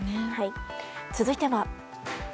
続いては。